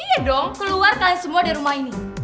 iya dong keluar kalian semua dari rumah ini